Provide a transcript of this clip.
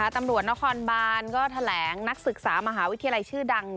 ตำรวจนครบานก็แถลงนักศึกษามหาวิทยาลัยชื่อดัง